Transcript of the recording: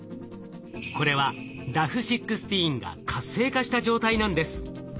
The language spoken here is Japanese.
これはｄａｆ−１６が活性化した状態なんです。